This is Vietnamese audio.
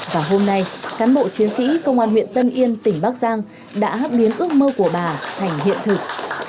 và hôm nay cán bộ chiến sĩ công an huyện tân yên tỉnh bắc giang đã biến ước mơ của bà thành hiện thực